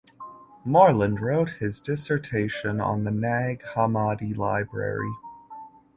Moreland wrote his dissertation on the Nag Hammadi library.